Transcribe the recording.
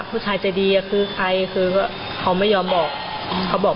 ผู้ชายใจดีอย่างคะทุกไคนก็ว่าเขาไม่ยอมบอกเขาบอก